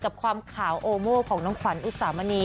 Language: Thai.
กับความขาวโอโม่ของน้องขวัญอุสามณี